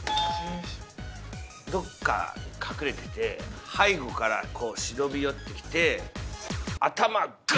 どっかに隠れてて背後からこう忍び寄ってきて。